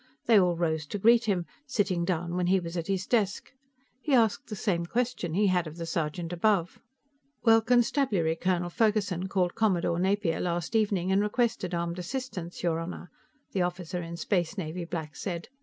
They all rose to greet him, sitting down when he was at his desk. He asked the same question he had of the sergeant above. "Well, Constabulary Colonel Ferguson called Commodore Napier last evening and requested armed assistance, your Honor," the officer in Space Navy black said.